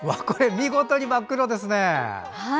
見事に真っ黒ですね。